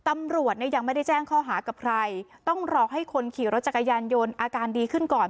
ตำรวจเนี่ยยังไม่ได้แจ้งข้อหากับใครต้องรอให้คนขี่รถจักรยานยนต์อาการดีขึ้นก่อน